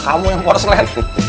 kamu yang korslet